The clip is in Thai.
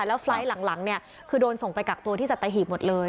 แล้วไฟล์ทหลังเนี่ยคือโดนส่งไปกักตัวที่สัตหีบหมดเลย